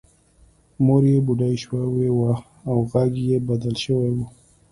مور یې بوډۍ شوې وه او غږ یې بدل شوی و